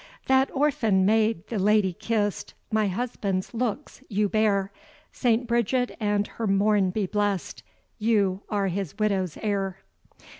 That orphan maid the lady kiss'd "My husband's looks you bear; St. Bridget and her morn be bless'd! You are his widow's heir."